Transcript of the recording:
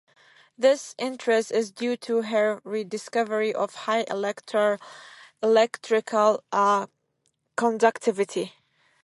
This interest is due to the rediscovery of high electrical conductivity.